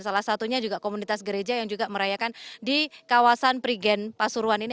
salah satunya juga komunitas gereja yang juga merayakan di kawasan prigen pasuruan ini